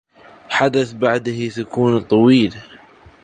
حدث بعده سكون طويل.